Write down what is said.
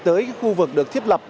tới khu vực được thiết lập